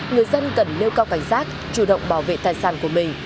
người dân cần nêu cao cảnh giác chủ động bảo vệ tài sản của mình